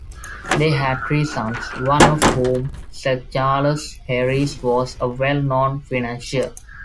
They had three sons, one of whom, Sir Charles Herries, was a well-known financier.